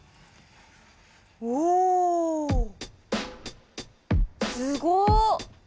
おお！すごっ！